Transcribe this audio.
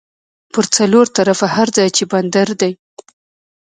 پر څلور طرفه هر ځای چې بندر دی